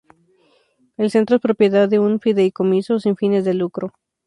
El Centro es propiedad de un fideicomiso sin fines de lucro.